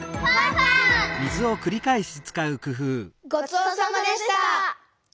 ごちそうさまでした。